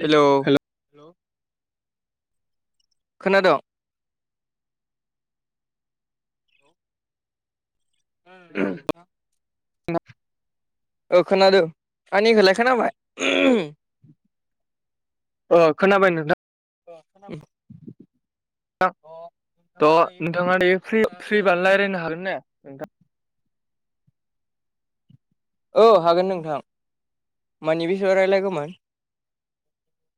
हेल' खोनादोंं [unintelligible] औ खोनादो आंनिखौलाय खोनाबाय। [unintelligible] अ खोनाबाय नोंथां। [unintelligible] थ' नोंथाङा दायो फ्रि-फ्रिबा रायलायनो हागोन ने नोंथां। औ हागोन नोंथां मानि बिषयाव रायलायगोमोन।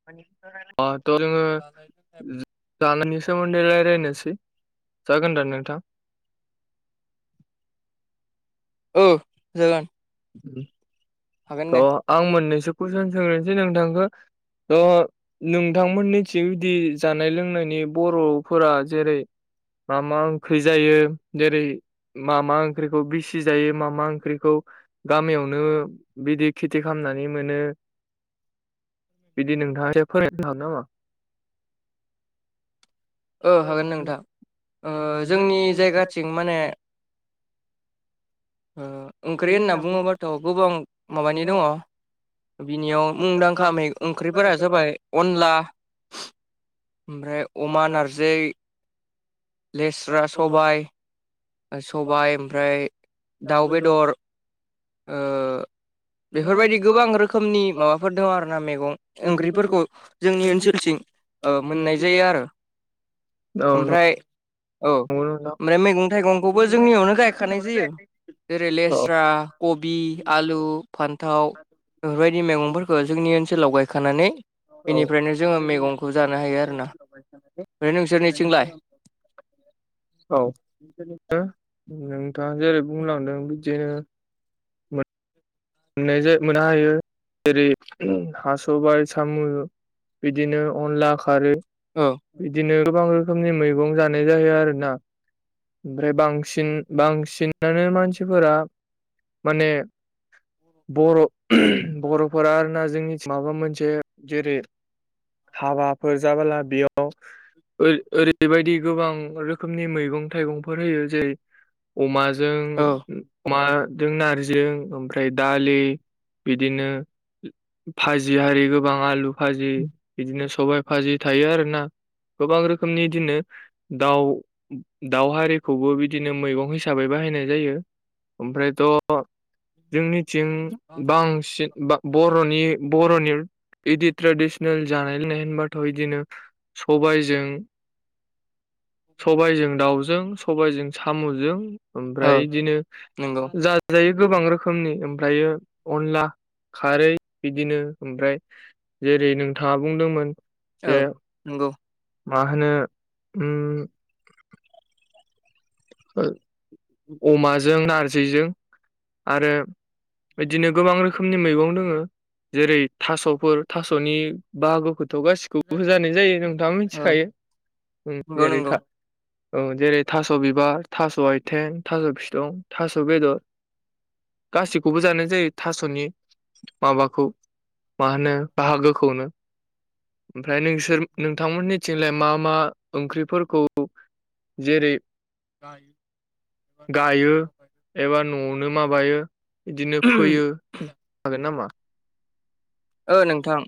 [unintelligible] नोङो। जानायनि सोमोन्दै रायलायनोसै जागोनदा नोंथां। [inaudible] औ जागोन। हागोन अ दे आं मोननैसो कुइसन सोंनिसै नोंथांखौ। थ' नोंथांमोननिथिं बिदि जानाय लोंनायनि बर'फोरा जेरै। मा मा ओंख्रि जायो जेरै मा मा ओंख्रिखौ बेसि बिदि जायो मा मा ओंख्रिखौ गामियावनो बिदि खेथि खामनानै मोनो। बिदि नोंथाङा [unintelligible] हागोन नामा। ओ हागोन नोंथां ओ जोंनि जायगाथिं माने। ओ ओंख्रि होनना बुङोबाथ' गोबां माबानि दङ'। बिनियाव मुंदांखा मै ओंख्रिफोरा जाबाय अनला। ओमफ्राय अमा नारजि लेस्रा सबाय। सबाय ओमफ्राय दाउ बेदर ओ। [inaudible] बेफोरबायदि गोबां रोखोमनि माबाफोर दं आर ना मैगं ओंख्रिफोरखौ जोंनि ओनसोलथिं। औ मोननाय जायो आरो औ ओमफ्राय औ नंगौ नोंथां ओमफ्राय मैगं। मैगं थाइगंखौबो मैगं जोंनियावनो थाइगंबो गायखानाय जोंनियावनो जायो। जेरै लेस्रा कबि आलु फान्थ। थाव बेफोरबायदि मैगंफोरखौ जोंनि ओनसोलाव गायखानानै। बेनिफ्रायनो जोङो गायनाय मैगंखौ जानो हायो आरोना। बै नोंसोरनिथिंलाय। जायो औ बिदिनो नोंथाङा जेरै बुंलांदों बिदिनो। मोननो मोननो हायो जेरै हास'बायाइ साम'। बिदिनो अनला खारै औ बिदिनो। गोबां रोखोमनि मैगं जानाय जायो आरो ना। ओमफ्राय बांसिन बांसिनानो मानसिफोरा। माने बर' ओम बर'फोरा आरो। जों माबा मोनसे जेरै हाबाफोर जाबोला बेयाव। ओरै ओरैबायदि गोबां रोखोमनि मैगं थाइगंफोर होयो जेरै अमा। जों अमाजों नारजिजों ओंख्रि। दालि बिदिनो भाजि आरि गोबां आलु। भाजि बिदिनो सबायाइ भाजि थायो आरोना। गोबां रोखोमनि बिदिनो दाउ दाउ हारिखौबो बिदिनो मैगं हिसाबै बाय। बाहायनाय जायो ओमफ्रायथ' जोंनिथिं औ औ बांसिन बा। बर'नि बर'नि। इदिन्थृ ट्रेडिसनेल जानाय लोंनाय होनबाथ' बिदिनो सबायाइजों। सबायजों दाउजों सबायाइजों साम'जों। ओमफ्राय बिदिनो नंगौ औ नंगौ जाजायो गोबां रोखोमनि ओमफ्रायो अनला। खारै बिदिनो ओमफ्राय जेरै नोंथाङा बुंदोंमोन‌ औ नंगौ। माहानो ओम। ओ अमाजों नारजिजों आरो। बिदिनो गोबां रोखोमनि मैगं दोङो। जेरै थास'फोर थास'नि बाहागोखौ थ' गासिखौबो जानाय जायो नोंथाङा मिथिखायो नंगौ जेरै नंगौ था औ जेरै थास' बिबार, थास' आथिं, थास' बिसं, थास' बेदर गासैखौबो जानाय जायो थास'नि माबाखौ मा होनो बाहागोखौनो ओमफ्राय नोंसोर नोंथांमोननिथिंलाय मा मा ओंख्रिफोरखौ जेरै ग [inaudible] गायो एबा न'आवनो माबायो बिदिनो फोयो। [inaudible] ओ नोंथां।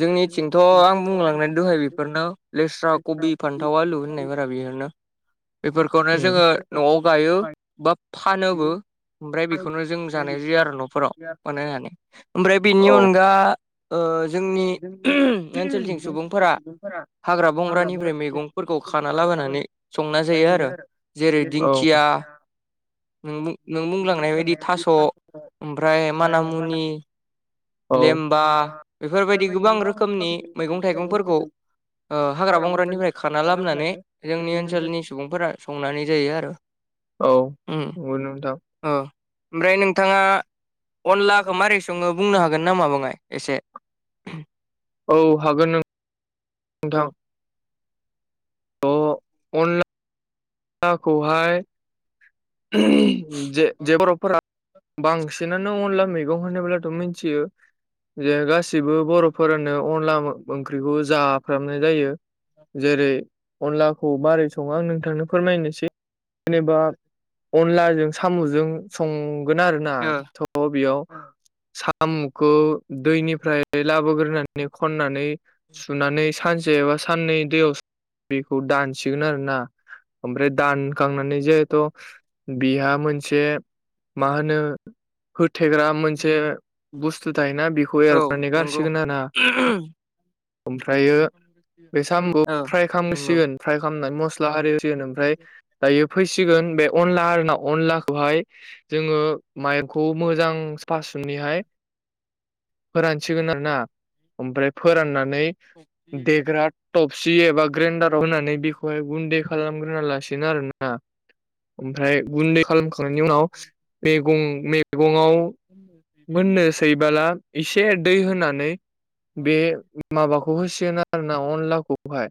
जोंनिथिंथ' आं बुंलांनाय दहाय बेफोरनो लेस्रा, कबि, फान्थाव, आलु होननायफोरा बेफोरनो बेफोरखौनो जोङो न'आव गायो बा फानोबो। ओमफ्राय बेखौनो जों जानाय जायो आरो न'फोराव मानो होननानै ओमफ्राय बेनि अनगा जोंनि ओनसोलथिं सुबुंफोरा हाग्रा बंग्रानिफ्राय मैगंफोरखौ खाना लाबोनानै संना जायो आरो जेरै औ दिंखिया नों बुं बुंलांनाय बायदि थास' ओमफ्राय माना मुनि औ लेमबा बेफोरबायदि गोबां रोखोमनि मैगं थाइगंफोरखौ हाग्रा बंग्रानिफ्राय खाना लाबोनानै जोंनि ओनसोलनि सुबुंफोरा संनानै जायो आरो। औ। उम नोंथां ओ ओमफ्राय नोंथाङा अनलाखौ मारै सङो बुंनो हागोन नामा बाङाय एसे औ हागोन नों थां औ अ अनला अनलाखौहाय जे जे बर'फोरा बांसिनानो अनला मैगं होनोब्लाथ' मिथियो जे गासिबो बर'फोरानो अनला ओंख्रिखौ जाफ्रामनाय जायो। जेरै अनलाखौ मारै सङो आं नों थांनो फोरमायनोसै जेनेबा अनलाजों साम'जों सं गोन आरोना ओ थ' सामुखौ दैनिफ्राय ओमफ्राय लाबोग्रोनानै खननानै सुनानै सानसे एबा साननै दैयाव बेखौ दानसिगोन आरोना ओमफ्राय दानखांनानै जेहुथु बेहा मोनसे मा होनो थेग्रा मोनसे बुस्थु थायोना बेखौ औ एरखनानै नंगौ गारसिगोन आरोना। ओमफ्रायो बे साम'फ्राय ओ नंगौ खालामसिगोन फ्राय खालाम खालामनानै मस्ला आरि होसिगोन ओमफ्राय दायो फैसिगोन बे अनला आरोना अनलाखौहाय जोङो माइरंखौ मोजां साफा सुनानैहाय फोरान सिगोन आरोना ओमफ्राय फोराननानै देग्रा थब सि एबा ग्रेन्डाराव होनानै बेखौहाय गुन्दै खालामग्रोना लासिनो आरोना। ओमफ्राय गुन्दै खालामखांनायनि उनाव मैगं मैगङाव मोननोसैबोला एसे दै होनानै बे माबाखौ होसिगोन आरोना अनलाखौहाय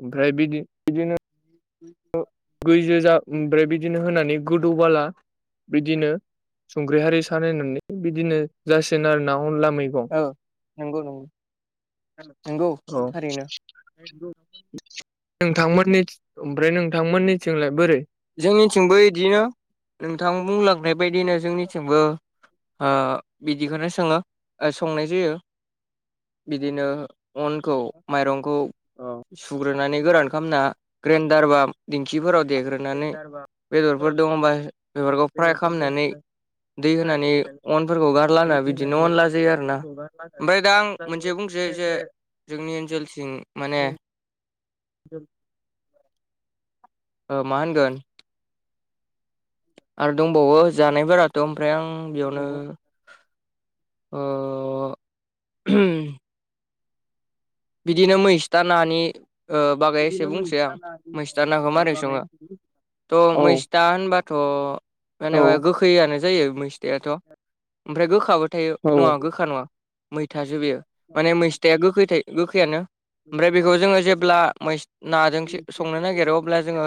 ओमफ्राय बिदि बिदिनो [unintelligible] ओमफ्राय बिदिनो होनानै गोदौबोला बिदिनो संख्रि हारि साखिनानै बिदिनो जासिगोन आरोना अनला मैगं औ नंगौ नंगौ। नंगौ [inaudible] थारैनो नोंथांमोननि ओमफ्राय नोंथांमोननिथिंलाय बोरै? जोंनिथिंबो बिदिनो नोंथां बुंलांनाय बायदिनो जोंनिथिंबो ओ बिदिखौनो सोङो संनाय जायो बिदिनो अनखौ माइरंखौ सुग्रोनानै गोरान खामना ग्रेनदार बा दिंखिफोराव देग्रोनानै बेदरफोर दङबा बेरखौ फ्राय खालामनानै दै होनानै अनफोरखौ गारला होना बिदिनो अन ला जायो आरो ना ओमफ्राय दा आं मोनसे बुंस जे जे जोंनि ओनसोलथिं माने जोब ओ मा होनगोन आरो दंबावो जानायफोराथ' ओमफ्राय आं बेयावनो अ बिदिनो मैसथा नानि ओ बागै एसे बुंसै आं मैस्था नाखौ मारोरै सङो थ' औ मैस्था होनबा थ' औ जेनेबा गोखैयानो जायो मैस्थायेथ' ओमफ्राय गोखाबो औ नङा गोखा नङा मैथासो बेयो माने मैसथाया गोखै थायो गोखैयानो ओमफ्राय बेखौ जोङो जेब्ला मैस नाजों संनो नागिरो अब्ला जोङो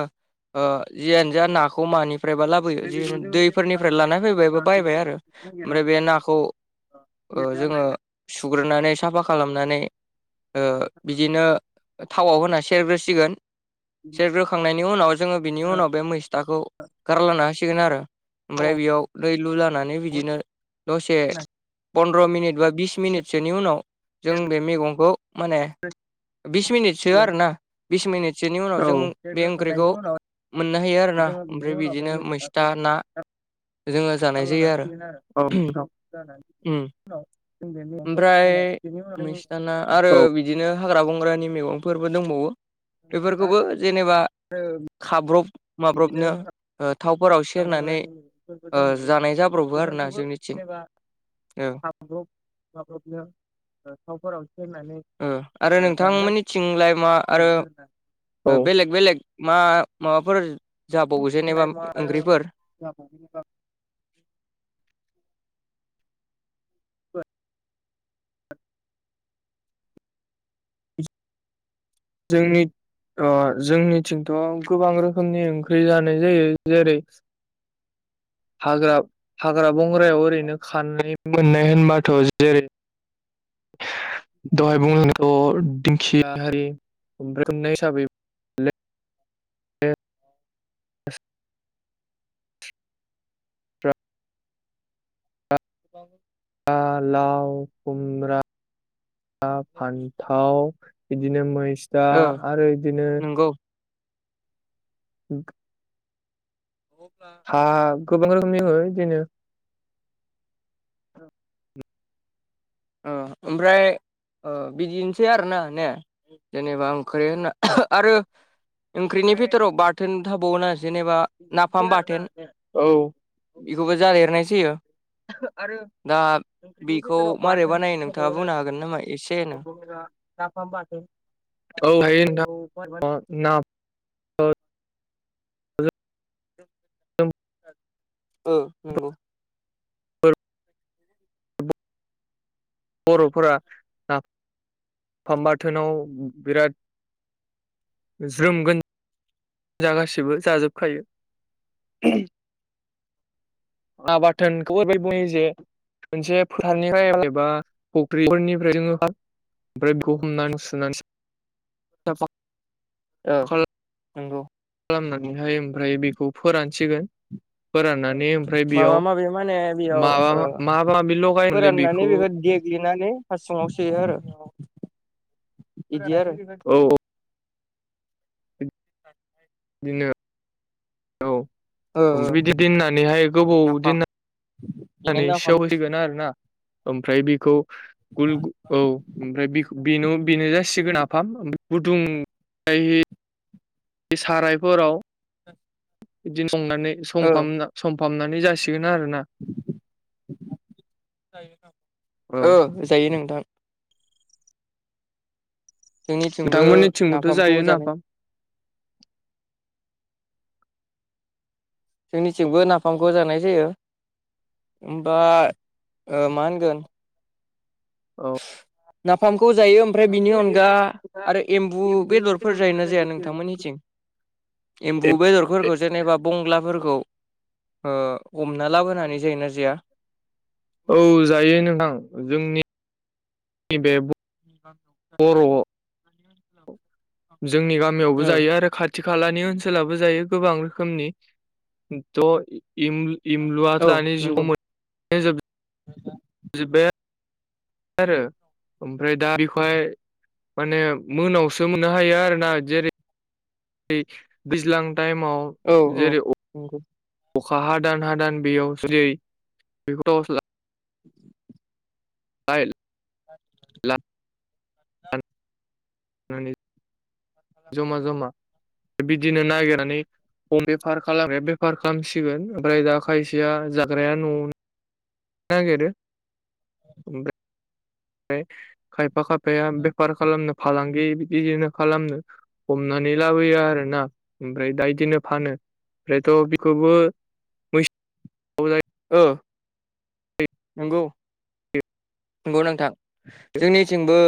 ओ जियानो जा नाखौ मानि फ्रायबा लाबोयो जि दैफोरनिफ्राय लानानै फैबाय बा बायबाय आरो ओमफ्राय बे नाखौ ओ जोङो सुग्रोनानै साफा खालामनानै ओ बिदिनो थावआव होना सेरग्रोसिगोन सेरग्रोखांनायनि उनाव जोङो बिनि उनाव बे मैस्थाखौ गारलांनो हासिगोन आरो ओमफ्राय बेयाव दै लुलानानै बिदिनो दसे पन्द्र' मिनिट बा बिस मिनिटसोनि उनाव जों बे मैगंखौ माने बिस मिनिटसो आरोना बिस मिनिट जनि उनाव जों औ बे बेरग्रोखांनायनि ओंख्रिखौ उनाव मोननो हायो आरोना जोङो ओमफ्राय बिदिनो मैस्था ना जोङो जानाय जायो नाखना आरो [unintelligible] बे ओमफ्राय [unintelligible] मैस्था ना जोंदा आरो बिदिनो हाग्रा बंग्रानि मैगंफोरबो दंबावो बेफोरखौबो जेनेबा खाब्रब बिदिनो माब्रबनो हाग्रा थावफोराव सेरनानै बंग्रानि मैगंफोरबो दंबावो जानाय जाब्रबो आरोना बेफोरखौबो जोंनिथिं। [unintelligible] ओ थावफोराव सेरनाइ ओ आरो नोंथांमोननि थिंलाय मा आरो बर'बो आरोना औ बेलेग बेलेग मा माबाफोर जाबावो जेनेबा ओंख्रिफोर [unintelligible] जोंनि ओ जोंनिथिंथ' गोबां रोखोमनि ओंख्रि जानाय जायो जेरै हाग्रा हाग्रा बंग्रायाव ओरैनो खानाइ मोननाय होनबाथ' जेरै दहाय [unintelligible] हिसाबै ए [inaudible] लााउ खुम्ब्र फान्थाव बिदिनो ओ मैस्तआरो बिदिनो नंगौ औ ओ हा [unintelligible] ओ ओमफ्राय ओ बिदिनोसै आरोना ने जेनेबा ओंख्रि होनना आरो ओंख्रिनि बिथोराव बाथोन थाबावो ना जेनेबा नाफाम बाथोन औ बेखौबो जादेरनाय जायो। आरो दा ओंख्रिनि बेखौ बिथथोराव मारै बानायो नोंथाङा बाथोन बुंनो हागोन नामा एसेनो [unintelligible] नाफाम बाथोन औ थायो नोंथां [unintelligible] [inaudible] [unintelligible] औ नंगौ। बर'फोरा नाफामबाथोनाव बिराद [unintelligible] जा गासिबो जाजोबखायो। ना बाथोनखौ ओरैबाय बुंनाय जायो। मोनसे फोथारनिफ्राय एबा फुख्रिफोरनिफ्राय जोङो ओमफ्रायखौ हमनानै सुनानै [unintelligible] ओ नंगौ खालामनानैहाय ओमफ्राय बेखौ फोरानसिगोन फोराननानै ओमफ्राय माबा बेयाव माबि माने बेयाव माबा ओ माबा माबि लगायोमोनलै बेखौ देनानै फास्ङाव सोयो आरो। [inaudible] बिदि आरो औ औ। बिदिनो औ ओ ओ ओमफ्राय बिदि दोननानैहाय गोबाव नाफाम दिन बेनो होनानै नाफाम सेवहोसिगोन आरो ना ओमफ्राय बेखौ गुल औ ओमफ्राय बेनो बेनो जासिगोन नाआफाम गुदुं जाय बे सारायफोराव बिदिनो संनानै ओ सं संफामनानै जासिगोन इनो आरो ना? औ जायो नोंथां जोंनिथिंबो नोंथांमोननिथिंबोथ' नाफामखौ जायो जानाय नाफाम जोंनिथिंबो नाफामखौ जानाय जायो। होमबा मा होनगोन औ नाफाम खौ जायो ओमफ्राय बिनि अनगा आरो एम्बु बेदरफोर जायोना जाया नोंथांमोननिथिं एम्बु बेदरफोरखौ जेनेबा बंगलाफोरखौ ओ हमना लाबोनानै जायोना जाया औ जायो नोंथां जोंनि नि बे बर' जोंनि गामियावबो ओ जायो आरो खा थि खालानि ओनसोलाबो जायो गोबां रोखोमनि थ' एमबु इमलुआ औ दानि नंगौ जुगाव मोन जोब जोबबाय आ [unintelligible] आरो ओमफ्राय दा बेखौहाय माने मोनायाव मोनावसो मोननो हायो आरो ना जेरै बे दैज्लां टाइमाव औ औ जेरै नंगौ अखा हादान हादान बेयाव जुदि बेखौ [unintelligible] [unintelligible] लानानै [inaudible] [unintelligible] जमा जमा बिदिनो नागिरनानै खम बेफार खालाम बेफार खालामसिगोन ओमफ्राय दा खायसेया जाग्राया न'आवनो नागेरो ओमफ्राय खायफा खायफाया बेफार खालामनो फालांगि बिदिनो खालामनो हमनानै लाबोयो आरोना ओमफ्राय दा इदिनो फानो ओमफ्रायथ' बेखौबो [unintelligible] ओ नंगौ नंगौ नोंथां जोंनिथिंबो